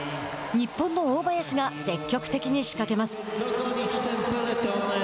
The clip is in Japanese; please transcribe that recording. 日本の大林が積極的に仕掛けます。